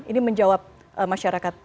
ini menjawab masyarakat